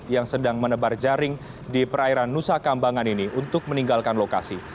yang sedang menebar jaring di perairan nusa kambangan ini untuk meninggalkan lokasi